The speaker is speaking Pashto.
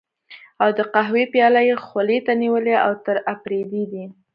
او د قهوې پياله یې خولې ته نیولې، اوتر اپرېدی دی.